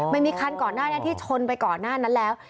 มันมีคันก่อนหน้านี้ที่ชนไปก่อนหน้านั้นแล้ว